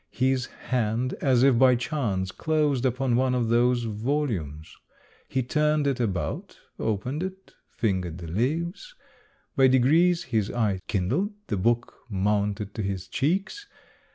His hand, as if by chance, closed upon one of those volumes ; he turned it about, opened it, fingered the leaves. By degrees his eye kindled, the blood mounted to his cheeks.